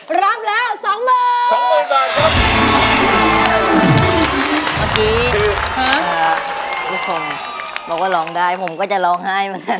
เอาละมาแข่งกันต่อเลยดีกว่า